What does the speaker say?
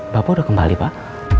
bapak udah kembali pak